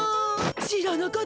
知らなかったわ。